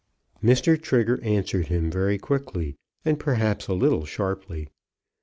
Mr. Trigger answered him very quickly, and perhaps a little sharply.